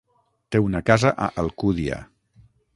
Té una casa a Alcúdia.